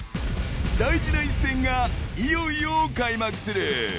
［大事な一戦がいよいよ開幕する］